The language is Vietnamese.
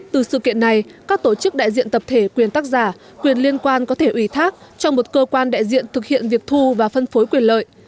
từ sự kiện này các tổ chức đại diện tập thể quyền tác giả quyền liên quan có thể ủy thác cho một cơ quan đại diện thực hiện việc thu và phân phối quyền lợi